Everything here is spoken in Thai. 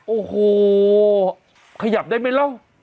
โอ้โฮขยับได้ไหมแล้ว